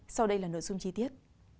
sau đây là nội dung chi tiết